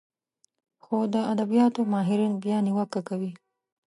خو د ادبياتو ماهرين بيا نيوکه کوي